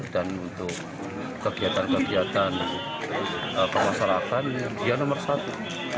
dan untuk kegiatan kegiatan pemasarakan dia nomor satu